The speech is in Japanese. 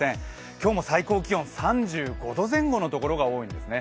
今日も最高気温３５度前後のところが多いんですね。